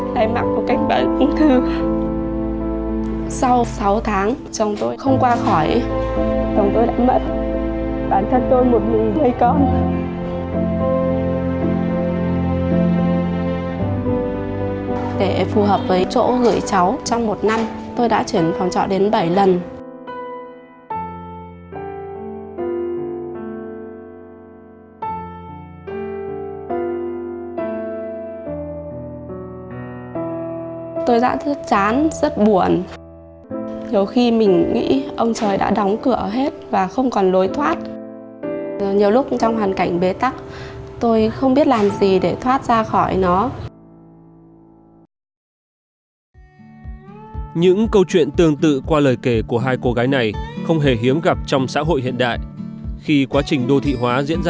lại mặc một cách bản thân thư sau sáu tháng chồng tôi không qua khỏi chồng tôi đã mất bản thân tôi một mình